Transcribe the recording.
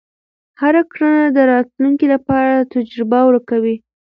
هره کړنه د راتلونکي لپاره تجربه ورکوي.